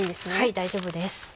大丈夫です。